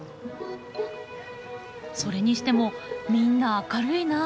それにしてもみんな明るいなあ。